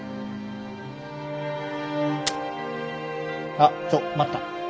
あっちょ待った。